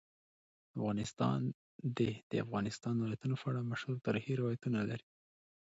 افغانستان د د افغانستان ولايتونه په اړه مشهور تاریخی روایتونه لري.